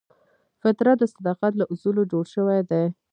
فطرت د صداقت له اصولو جوړ شوی دی.